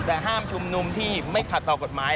แต่ห้ามชุมนุมที่ไม่ขัดต่อกฎหมาย